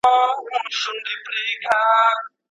راځه چي ولاړ سو لاس تر غاړه، د میني یاره